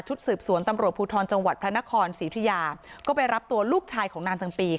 สืบสวนตำรวจภูทรจังหวัดพระนครศรีอุทิยาก็ไปรับตัวลูกชายของนางจำปี